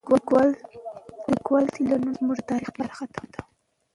د لیکوالو تلینونه زموږ د تاریخ برخه ده.